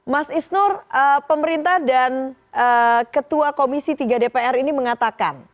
mas isnur pemerintah dan ketua komisi tiga dpr ini mengatakan